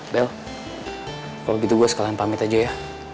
bel kalo gitu gue sekalian pamit aja ya